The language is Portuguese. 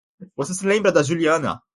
Você se lembra da Juliana?